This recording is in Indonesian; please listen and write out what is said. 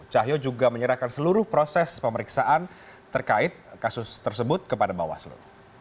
cahyo juga menyerahkan seluruh proses pemeriksaan terkait kasus tersebut kepada bawaslu